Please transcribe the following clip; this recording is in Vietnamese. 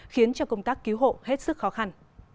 khiến cho công tác cứu hộ hết sức khó khăn